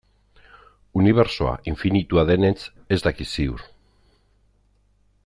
Unibertsoa infinitua denetz ez dakit ziur.